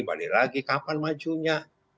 bali lagi kapan majunya